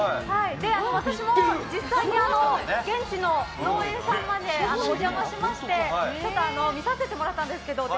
私も実際に現地の農園さんまでお邪魔しまして見させてもらったんですけど。